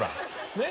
ねっ。